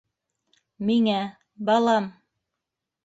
Миңә... балам!